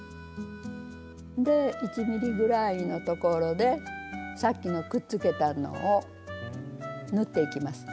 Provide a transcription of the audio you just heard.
で１ｍｍぐらいのところでさっきのくっつけたのを縫っていきます。